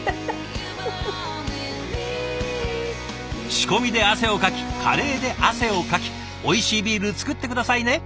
仕込みで汗をかきカレーで汗をかきおいしいビール造って下さいね。